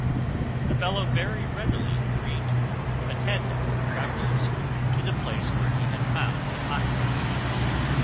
The fellow very readily agreed to attend our travellers to the place where he had found the pocket book.